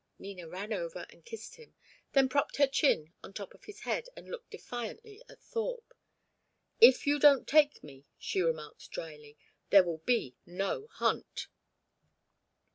Nina ran over and kissed him, then propped her chin on top of his head and looked defiantly at Thorpe. "If you don't take me," she remarked, drily, "there will be no hunt."